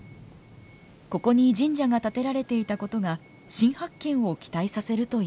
ここに神社が建てられていたことが新発見を期待させるといいます。